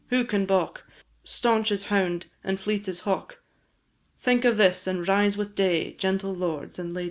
who can baulk, Stanch as hound, and fleet as hawk? Think of this, and rise with day, Gentle lords and ladies gay.